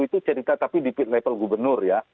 itu cerita tapi di level gubernur ya